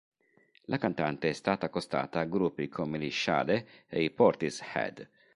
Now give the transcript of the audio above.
La cantante è stata accostata a gruppi come gli Sade e i Portishead.